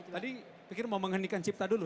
tadi pikir mau menghenikan cipta dulu